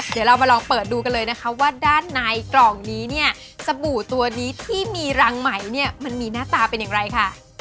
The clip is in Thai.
เดี๋ยวเรามาลองเปิดดูกันเลยนะคะว่าด้านในกล่องนี้เนี่ยสบู่ตัวนี้ที่มีรังไหมเนี่ยมันมีหน้าตาเป็นอย่างไรค่ะ